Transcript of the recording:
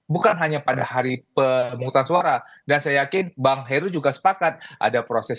bukan hanya pada hari pemungutan suara dan saya yakin bang heru juga sepakat ada proses